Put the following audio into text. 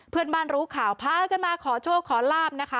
เพื่อนบ้านรู้ข่าวพากันมาขอโชคขอลาบนะคะ